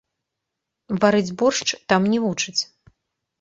Варыць боршч там не вучаць.